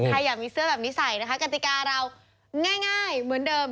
ใครอยากมีเสื้อแบบนี้ใส่นะคะกติกาเราง่ายเหมือนเดิม